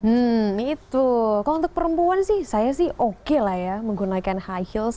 hmm itu kalau untuk perempuan sih saya sih oke lah ya menggunakan high heels